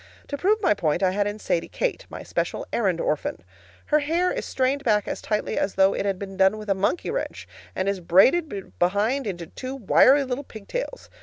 To prove my point, I had in Sadie Kate, my special errand orphan. Her hair is strained back as tightly as though it had been done with a monkey wrench, and is braided behind into two wiry little pigtails.